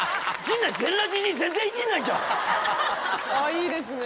いいですね。